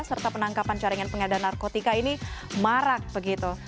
serta penangkapan jaringan pengadaan narkotika ini marak begitu